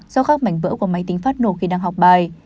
do khác mảnh vỡ của máy tính phát nổ khi đang học bài